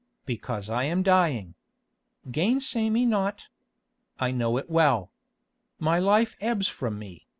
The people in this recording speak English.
"Because I am dying. Gainsay me not. I know it well. My life ebbs from me.